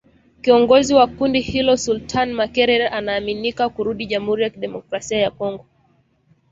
Kiongozi wa kundi hilo Sultani Makenga anaaminika kurudi Jamhuri ya Kidemokrasia ya Kongo